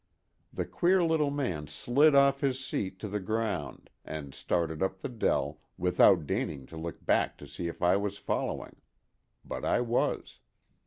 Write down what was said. The queer little man slid off his seat to the ground and started up the dell without deigning to look back to see if I was following. But I was.